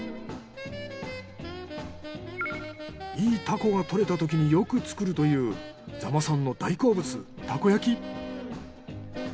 いいタコがとれたときによく作るという座間さんの大好物たこ焼き。